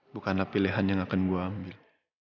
bukanlah pilihan yang akan gue ambil